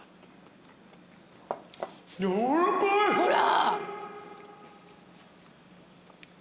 ほら！